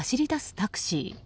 タクシー。